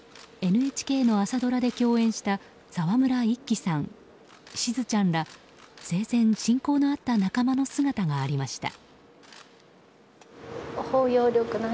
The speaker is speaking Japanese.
ＮＨＫの朝ドラで共演した沢村一樹さん、しずちゃんら生前、親交のあった仲間の姿がありました。